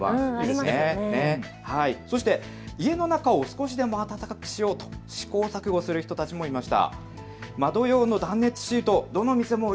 そして家の中を少しでも暖かくしようと試行錯誤する人たちもいました。